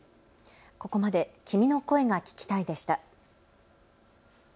ここまで君の声が聴きたいでした。